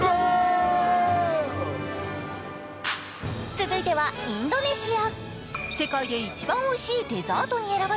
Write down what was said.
続いてはインドネシア。